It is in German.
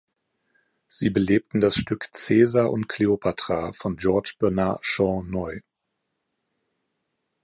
Sie belebten das Stück "Caesar und Kleopatra" von George Bernard Shaw neu.